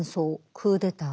クーデター